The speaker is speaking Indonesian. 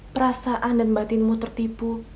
perasaan dan batinmu tertipu